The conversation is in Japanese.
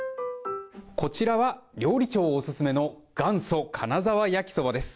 こちらは料理長オススメの元祖金澤焼きそばです。